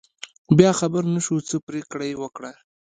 بیا خبر نشو، څه پرېکړه یې وکړه.